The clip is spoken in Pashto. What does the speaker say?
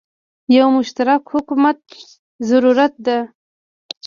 یو مشترک حکومت زوروت ده